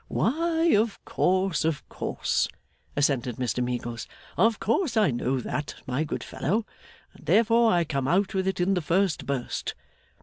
'Why, of course, of course,' assented Mr Meagles. 'Of course I know that, my good fellow, and therefore I come out with it in the first burst.